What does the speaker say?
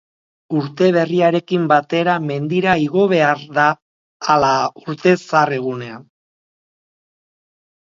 Urte berriarekin batera mendira igo behar da ala urte zahar egunean?